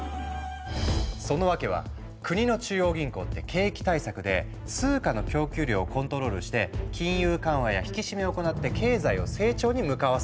その訳は国の中央銀行って景気対策で通貨の供給量をコントロールして金融緩和や引き締めを行って経済を成長に向かわせているの。